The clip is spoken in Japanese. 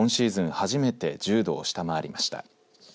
初めて１０度を下回りました。